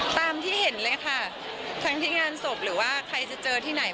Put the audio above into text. ตามที่เห็นเลยค่ะทั้งที่งานศพหรือว่าใครจะเจอที่ไหน